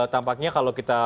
tampaknya kalau kita